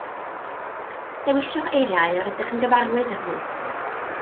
Dewiswch eiriau yr ydych yn gyfarwydd â nhw